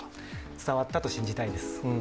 伝わったと信じたいです。